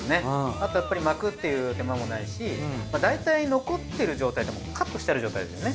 あとやっぱり巻くっていう手間もないしだいたい残ってる状態ってもうカットしてある状態ですよね。